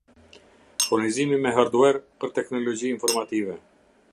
Furnizimi me harduer për teknologji informative